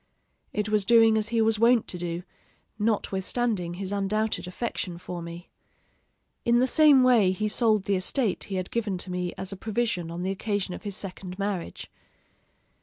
It was doing as he was wont to do, notwithstanding his undoubted affection for me. In the same way he sold the estate he had given to me as a provision on the occasion of his second marriage.